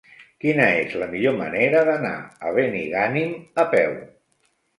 Quina és la millor manera d'anar a Benigànim a peu?